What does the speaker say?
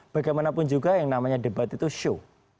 bagaimanapun juga yang namanya debat itu show